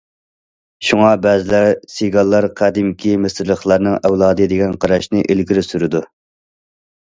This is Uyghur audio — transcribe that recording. شۇڭا بەزىلەر سىگانلار قەدىمكى مىسىرلىقلارنىڭ ئەۋلادى دېگەن قاراشنى ئىلگىرى سۈرىدۇ.